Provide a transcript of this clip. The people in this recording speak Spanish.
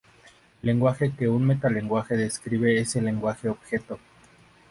El lenguaje que un metalenguaje describe es el lenguaje objeto.